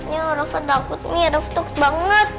ya rafa takut mi rafa takut banget